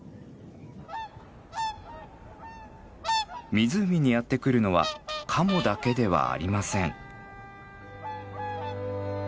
湖にやって来るのはカモだけではありません。